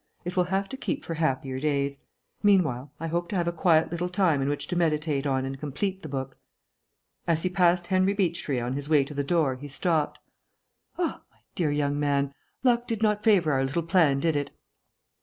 It will have to keep for happier days. Meanwhile, I hope to have a quiet little time in which to meditate on and complete the book." As he passed Henry Beechtree on his way to the door, he stopped. "Ah, my dear young man. Luck did not favour our little plan, did it?"